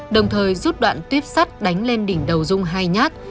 đồng thời rút đoạn tuyếp sắt đánh lên đỉnh đầu dung hai nhát